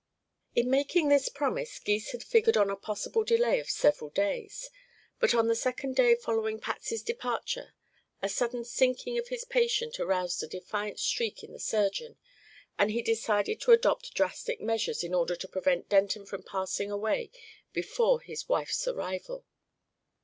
In making this promise Gys had figured on a possible delay of several days, but on the second day following Patsy's departure the sudden sinking of his patient aroused a defiant streak in the surgeon and he decided to adopt drastic measures in order to prevent Denton from passing away before his wife's arrival.